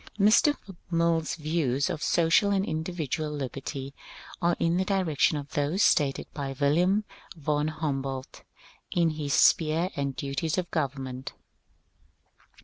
Mr. Mill's views of social and individual liberty are in the direction of those stated by Wilhelm von Humboldt in his ^^ Sphere and Duties of Government."